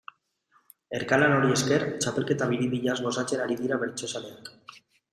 Elkarlan horri esker, txapelketa biribilaz gozatzen ari dira bertsozaleak.